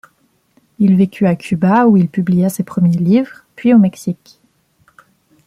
Il vécut à Cuba où il publia ses premiers livres, puis au Mexique.